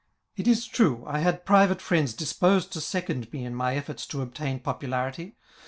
It is true, I had private friends disposed to second me in my efforts to obtain popularity.